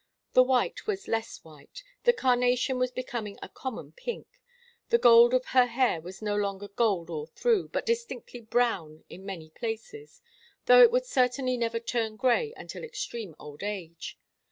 The white was less white, the carnation was becoming a common pink, the gold of her hair was no longer gold all through, but distinctly brown in many places, though it would certainly never turn grey until extreme old age.